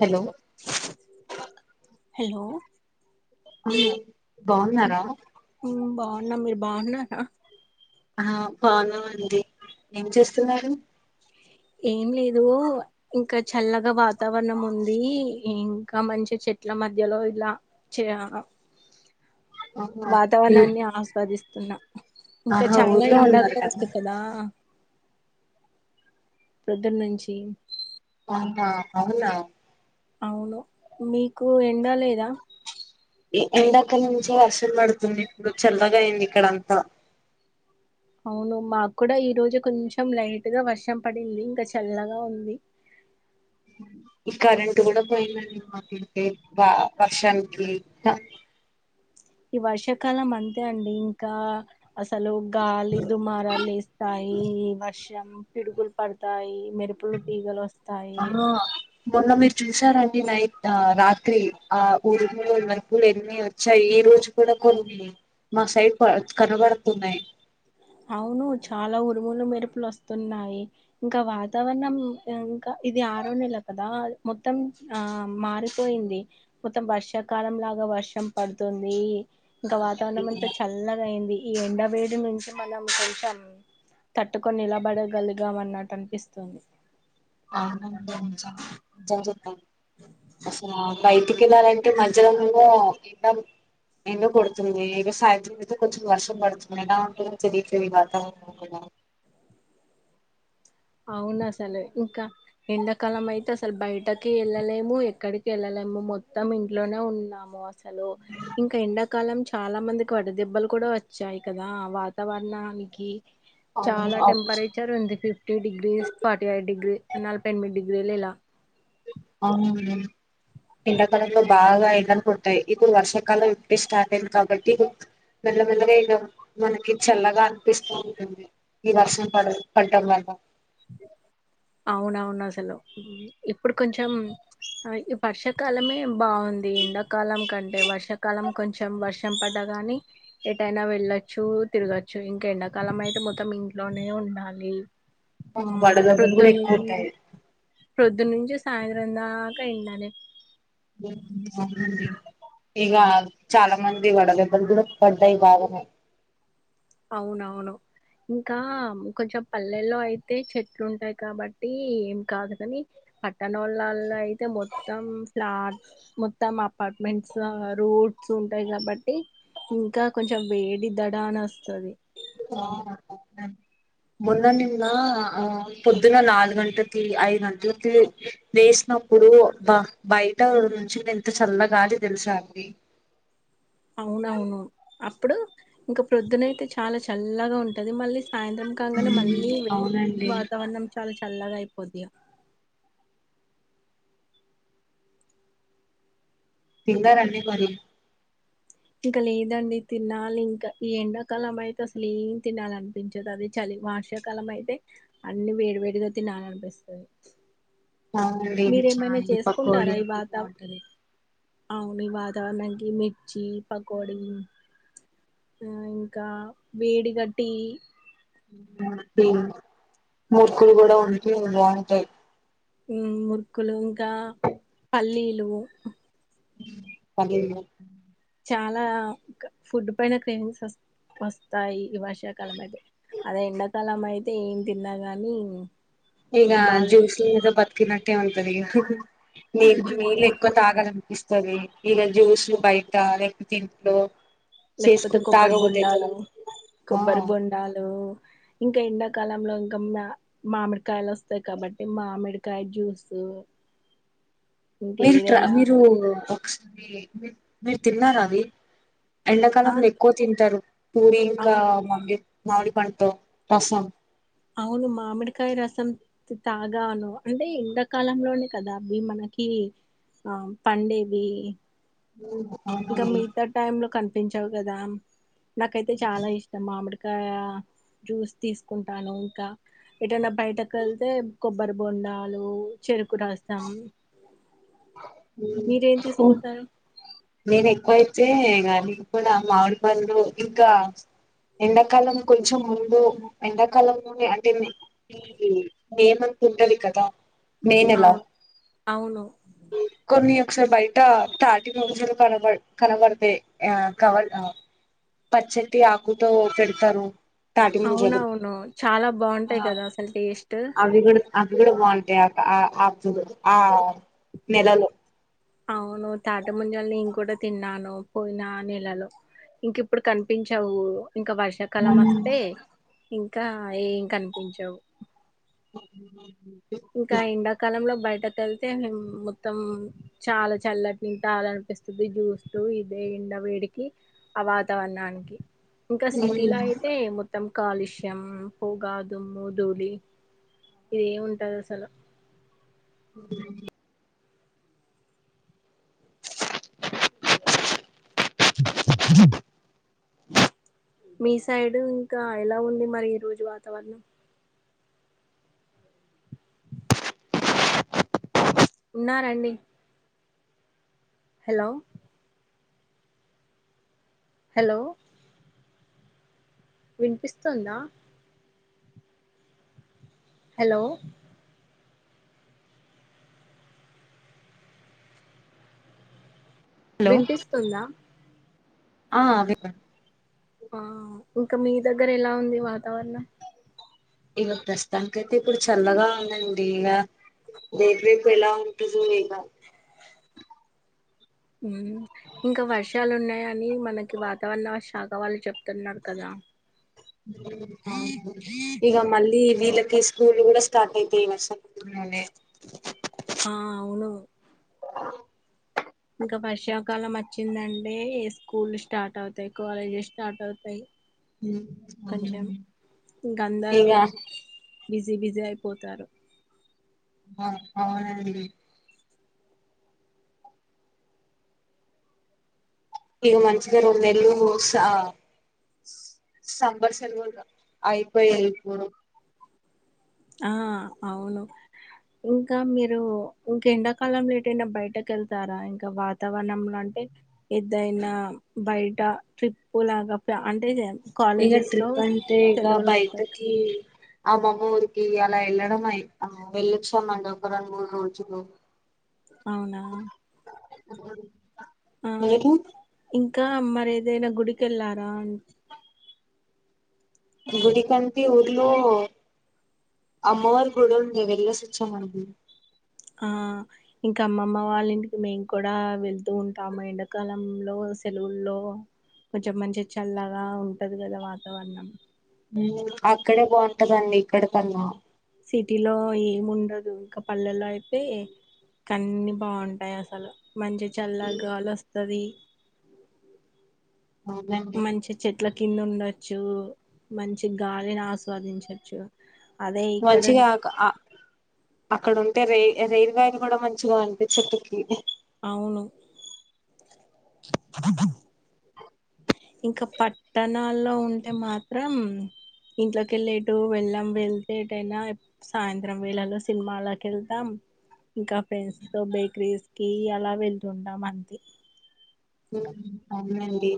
Hello hello ఆ బాగున్నారా వున్న మీరు బాగున్నారా ఆహ్ బావున్నమండి ఏం చేస్తున్నారు ఏం లేదు ఇంక చల్లగా వాతావరణం ఉంది ఇంకా మంచి చెట్ల మ మధ్యలో ఇలా చే ఆ ఆహా ఊ- వాతావరణాన్ని ఆస్వాదిస్తున్నా ఇంక ఆహా చాలా ఊర్లో ఉన్నారు ఎండగా ఉంది కదా పొద్దునుంచి అహునా అవునా అవును మీకు ఎండ లేదా ఎ యిండక్కడి నుంచి వర్షం పడుతుంది ఇప్పుడు చెల్లగా అయింది ఇక్కడంతా అవును మాక్కుడా ఈ రోజు కొంచెం లైట్ గా వర్షం పడింది ఇంక చల్లగా ఉంది [inaudible] ఈ కరెంట్ గూడా పోయిందండి మాకైతే బా వర్షానికి త ఈ వర్షాకాలం అంతే అండి ఇంకా అసలు గాలి దుమారాలేస్తాయి వర్షం పిడుగులు పడతాయి. మెరుపులు తీగలు వస్తాయి ఆహ్ మొన్న మీరు చూసారండి నై ద రాత్రి ఆ ఉరుములు మెరుపులు ఎన్ని వచ్చాయి. ఈ రోజు కూడా కొన్ని మా సైట్ ప కనబడుతున్నాయి. అవును చాలా ఉరుములు, మెరుపులు వస్తున్నాయి. ఇంకా వాతావరణం యన్ క ఇది ఆరో నెల కదా మొత్తం ఆ మారిపోయింది మొత్తం వర్షాకాలం లాగా వర్షం పడుతుంది. ఇంకా వాతావరణం అంతా చల్లగా అయింది. ఈ ఎండ వేడి నుంచి మనం కొంచెం తట్టుకొని నిలబడగలిగామ అన్నట్టు అనిపిస్తుంది. ఆనందించ నిజం చెప్పు బస్సులు ఆగి బయటికి వెళ్లలంటే మధ్యలోనేమో టం ఎండ కొడుతుంది ఏదో సాయంత్రం అయితే కొంచెం వర్షం పడుతుంది. ఎలా ఉంటుందో తెలియట్లేదు వాతావరణం కూడా అవును అసలు ఇంకా ఎండాకాలం అయితే అసలు బయటకి వెళ్ళలేము. ఎక్కడికి వెళ్ళలే ము మేము మొత్తం ఇంట్లోనే ఉన్నాము అసలు ఇంకా ఎండాకాలం చాలా మందికి వడదెబ్బలు కూడా వచ్చాయి కదా వాతావరణానికి. అవును చాలా ఆఫీస్ టెంపరేచర్ ఉంది fifty degrees, forty five degree, నలబై ఎనిమిది డిగ్రీ లు ఇల అవును ఎండాకాలంలో బాగా ఎండలుకుంటాయి ఇప్పుడు వర్షాకాలం ఇప్పుడే స్టార్ట్ అయింది కాబట్టి మెల్లమెల్లగా ఇలా మనకి చల్లగా అనిపిస్తూ ఉంటుంది. ఈ వర్షం పడు పడ్డం వల్ల అవునవును అసలు ఇప్పుడు కొంచెం అ ఈ వర్షాకాలమే బావుంది. ఎండాకాలం కంటే వర్షాకాలం కొంచెం వర్షం పడ్డ గాని ఎటైనా వెళ్ళొచ్చు, తిరగచ్చు ఇంకా ఎండాకాలం అయితే మొత్తం ఇంట్లోనే ఉండాలి. వడదెబ్బలు కూడా ఎక్కువ ఉంటాయి. ప్రొద్దు నుంచి సాయంత్రం దాకా ఎండనే అవునండి ఇగ చాలా మంది వడ దెబ్బలు కూడా పడ్డాయి బాగానే అవునవును ఇంకా కొంచెం పల్లెల్లో అయితే చెట్లు ఉంటాయి కాబట్టి ఏం కాదునని పట్టణోళ్ళల్లో అయితే మొత్తం ప్లాట్ మొత్తం అపార్ట్మెంట్స్ రోడ్స్ ఉంటాయి కాబట్టి ఇంకా కొంచెం వేడిద్దడా అని వస్తది. అవునండి నన్ మొన్న నిన్న ఆ పొద్దున నాలుగు గంటలకి, ఐదు గంటలకి వేసినప్పు డు బ బయట నుంచి ఎంత చల్లగాలి తెలిసా అండి అవునవును అప్పుడు ఇంకా ప్రొద్దునయితే చాలా చల్లగా ఉంటది మళ్ళీ సాయంత్రం కాగానే మళ్ళీ వీడ్ అవునండి వాతావరణం చాలా చల్లగాయిపోద్ధి గా తిన్నరా అండి మరి? ఇంకా లేదండి తినాలి ఇంకా ఈ ఎండాకాలం అయితే అసలు ఏం తినాలి అనిపించదు అదే చలి వార్షాకాలం అయితే అన్ని వేడివేడిగా తినాల అనిపిస్తుంది. అవునండి మీరేమైనా చాయ్ చేసుకుంటారా పకోడి ఈ అప్పుడు వాత బాగుంటది అవుని వాతవరణనికిమిర్చి పకౌడి ఆ ఇంకా వేడికట్టి ముూర్కులు కూడా ఉంటే భాగంటాయి మురుకులు ఇంకా పలీలు అది చాలా ఫుడ్ పైన క్రేవింగ్స్ వస్తయి వస్తాయి ఈ వర్షాకాలం అయితే అదే ఎండాకాలం అయితే ఏం తిన్నా గాని ఇగా జ్యూస్లి బాధేస్తది మీద బతుకిినట్ట్య ఉంటది నీ నీళ్ళు ఎక్కువ తాగడం ఇస్తుంది ఈగ జ్యూస్లు బయట రెకు తింంటలు లేకపోతే కొబ్బరి బొండాలు ఆ కొబ్బరి బొండాలు ఇంకా ఎండాకాలంలో ఇంకా మా మామిడికాయలు వస్తాయి కాబట్టి మామిడికాయ జ్యూస్ మ్ మీరు ట మీరు ఒకసారి మీరు తిన్నారా అది ఆ ఎండాకాలంలో ఎక్కువ తింటారు పూరి ఇంకా అవును మంగీ మామిడి పండు రసం అవును మామిడికాయ రసం తాగాను అంటే ఇంతకాలంలోనే కదా అవి మనకి అవి ఆ పండేవి ఇంకా అవునండి మిగతా టైమ్ లో కనిపించావు కదా నాకైతే చాలా ఇష్టమా మామిడి గా జ్యూస్ తీసుకుంటాను ఇంకా ఎదైనా బయటకు వెళ్తే కొబ్బరి బొండాలు చెరుకు కు రాస్తాం ఓ నేను ఎక్కువైతే కానీ కూడా మామిడి పనులు ఇంకా ఎండాకాలం కొంచెం ముందు ఎండాకాలం అంటే మీది నేమంత్ ఉంటది కదా నెయిన్ ఎలా అవును అవును కొన్ని ఒకసారి బయట తాటి చ కనవ కనబరదే ఆ కవల్ పచ్చటి ఆకుతో పెడతారు తాటి ముంజలు అవునవును చాలా బాగుంటాయి ఆ కదా అసలు టేస్ట్ అవి కూడా అవి కూడా బాగుంటాయి ఆ ఆ అప్పుడు ఆ నెలలో అవును తాటి ముజలు నేను కూడా తిన్నాను పోయిన నెలలో ఇంక ఇప్పుడు కనిపించవు ఇంకా వర్షాకాలం వస్తే ఇంకా ఏం కనిపించవు ఆ ఇంకా ఎండాకాలంలో బయట ఇంతక వెళ్తే మొత్తం చాలా చల్లటి నింతాల అనిపిస్తుంది జూసిస్ లు ఇదే ఉన్న వేడికి ఆ వాతావరణానికి ఇంకా సిటీలో హలో అయితే మొత్తం కాలుష్యం పొగా దుమ్ము ధూళ ఇది ఏమింటది అసలా ఓ మీ సైడ్ ఇంకా ఎలా ఉంది మరి ఈ రోజు వాతావరణం ఉన్నారండి హలో హలో వినిపిస్తోందా హలో వినిపిస్తుందా ఆ వినబ ఆ ఇంకా మీ దగ్గర ఎలా ఉంది వాతావరణం ఇక ప్రస్తుతానికైతే ఇప్పుడు చల్లగా ఉందండి ఇక రేపు రేపు ఎలా ఉంటుందో ఇక ఇంకా వర్షాలు ఉన్నాయని మనకి వాతావరణ శాఖ వాళ్ళు చెప్తున్నారు కదా ఇక మళ్ళీ వీళ్ళకి స్కూల్ కూడా స్టార్ట్ అయితాయి వర్షాకాలంలోనే ఆ అవును అ ఇంకా వర్షాకాలం వచ్చిందంటే స్కూల్ స్టార్ట్ అవుతాయి కాలేజస్ స్టార్ట్ అవుతాయి కొంచెం ఇంకా అందరూ ఇక బిజీ బిజీ బిజీ అయిపోతారు ఆ అవునండి ఇగ మంచిగా రెండు నెల్లు సంబర్ సెలవులు అయిపోయాయి ఇప్పుడు ఆ అవును ఇంకా మీరు ఇంకెండాకాలం లేటైనా బయట ళ్తారా ఇంకా వాతావరణంలోంటే ఎదయినా బయట ట్రిప్పు లాగా తప్ప అంటే చే ఇగ ట్రిప్ అంటే ఇక వస్తాయి బయటకి ఆమామ్మ ఊర్కి అలా వెళ్ళడం అయి ఆ వెళ్ళొచ్చామండి ఒక రెండు మూడు రోజులు అవునా అవును ఆ ఇంకా మరి ఏదైనా గుడికి వెళ్ళారా గుడికంటే ఊర్లు అమ్మవారి గుడి ఉంది వెళ్లేసొచ్చామండి ఆ ఇంకా అమ్మమ్మ వాళ్ళ ఇంటికి మేము కూడా వెళ్తూ ఉంటాము ఎండాకాలంలో సెలవుల్లో కొంచెం మంచిగా చల్లగా ఉంటది కదా వాతావరణం ఉమ్ అక్కడే బాగుంటదండి ఇక్కడ కన్నా సిటీలో ఏమి ఉండదు ఇంకా పల్లెల్లో అయితే కన్ని బాగుంటాయి అసలు మంచి చల్లగా గాలి వస్తది అవునండి మంచి చెట్ల కింద ఉండొచ్చు మంచి గాలిని ఆస్వాదించచ్చు అదే ఇక్కడ మంచిగా అ అక్కడ ఉ అంటే రై రైల్ వ్యాలు కూడా మంచిగా ఉంటడి చెట్టుకి అవును ఇంకా పట్టణాల్లో ఉంటే మాత్రం ఇంట్లోకెళ్ళి ఎటు వెళ్ళాం వెళ్తేటైనా సాయంత్రం వేళలో సినిమాలకి వెళ్తాం ఇంకా ఫ్రెండ్స్ తో బేకరీస్ కి అలా వెళ్తుంటాం అంతే అవునండి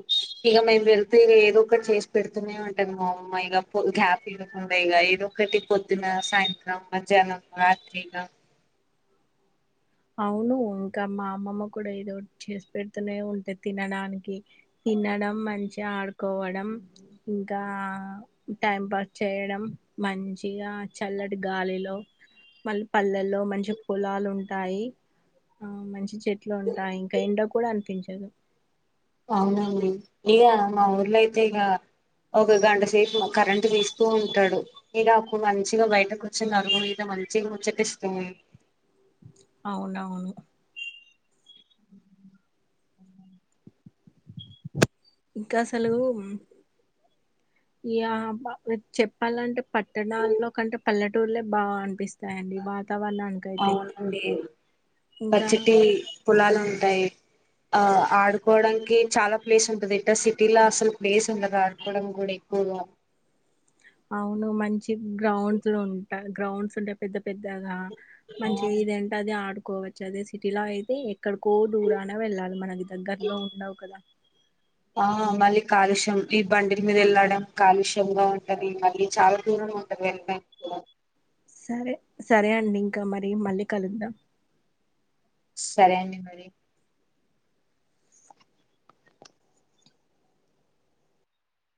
ఇగ మేము వెళ్తే ఇగ ఏదో ఒకటి చేసి పెడుతునే ఉంటది మా అమ్మాయి. ఇగ పొద్దుకు హ్యాపీ గా ఉండేగా ఎదొ ఒకటి పొద్దున, సాయంత్రం, మధ్యాహ్నం, రాత్రిగా అవును ఇంకా మా అమ్మమ్మ కూడా ఏదో చేసి పెడుతూనే ఉంటే తినడానికి తినడం మంచిగా ఆడుకోవడం. ఇంకా టైం పాస్ చేయడం మంచిగా చల్లటి గాలిలు లో మళ్ళీ పల్లల్లో మంచి పొలాలు ఉం టాయి ఆ మంచి చెట్లు ఉంటాయి ఇంకా ఎండ కూడా అనిపించదు. అవునండి ఇగ మా ఊర్లైతే ఇగ ఒక గంట సేపు కరెంట్ తీస్తూ ఉంటాడు. ఇక అప్పుడు మంచిగా బయటకు వచ్చిన అరుగు మీద మంచిగా ముచ్చటిస్తూ అవునవును ఇంకా అసలు యప్పా చెప్పాలంటే పట్టణాల్లో కంటే పల్లెటూర్లే బాగా అనిపిస్తాండి వా అవునండి ఇంకా పచ్చటి పొలాలు ఉంటాయి. ఆ ఆడుకోవడానికి చాలా ప్లేస్ ఉంటదింట సిటీలో అసలు ప్లేస్ ఉండదు ఆడుకోవడం కూడా ఎ ఇగ అవును మంచి గ్రౌండ్స్ లో ఉంటా గ్రౌండ్స్ ఉంటే పెద్ద పెద్దగా మంచి ఇదేంటే అది ఆడుకోవచ్చు అదే సిటీలో అయితే ఇక్కడికో దూరాన వెళ్ళాలి మనకి దగ్గరలో ఉండవు కదా. ఆ మళ్లీ కాలుష్యం ఈ బండిల మీద వెళ్ళడం కాలుష్యంగా ఉంటది. మళ్లీ చాలా దూరం ఉంట వెళ్లడానికి కూడ సరే సరే అండి ఇంకా మరి మళ్లీ కలుద్దాం. సరే అండి మరి